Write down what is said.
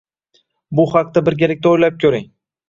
bu haqida birgalikda o‘ylab ko‘ring.